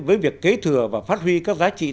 với việc kế thừa và phát huy các giá trị